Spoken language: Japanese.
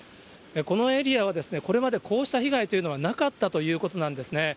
このエリアは、これまでこうした被害というのはなかったということなんですね。